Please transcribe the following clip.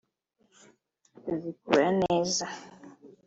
zikora neza